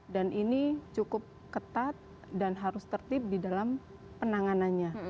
dan ini cukup ketat dan harus tertib di dalam penanganannya